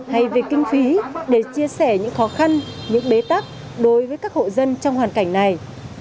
hay về kinh phí để chia sẻ những khó khăn những bế tắc đối với các hộ dân trong hoàn cảnh này